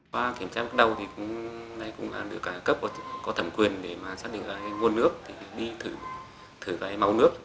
qua kiểm tra bắt đầu thì cũng là được cấp có thẩm quyền để mà xác định là nguồn nước thì đi thử cái máu nước